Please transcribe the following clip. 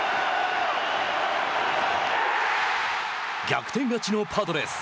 逆転勝ちのパドレス。